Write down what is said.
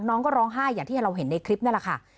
น้องก็ร้องไห้อย่างที่เราเห็นในคลิปนั่นแหละค่ะ